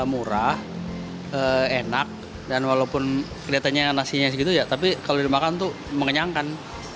murah enak dan walaupun kelihatannya nasinya segitu ya tapi kalau dimakan tuh mengenyangkan